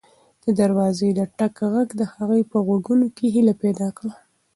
د دروازې د ټک غږ د هغې په غوږونو کې هیله پیدا کړه.